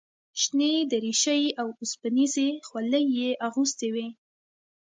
شنې دریشۍ او اوسپنیزې خولۍ یې اغوستې وې.